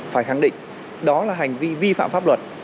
phải khẳng định đó là hành vi vi phạm pháp luật